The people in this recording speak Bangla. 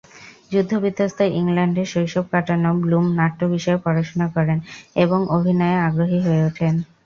যুদ্ধ বিধ্বস্ত ইংল্যান্ডে শৈশব কাটানো ব্লুম নাট্য বিষয়ে পড়াশুনা করেন এবং অভিনয়ে আগ্রহী হয়ে ওঠেন।